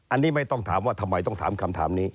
อันนี้ไม่ต้องถามว่าทำไมต้องถามคำถามนี้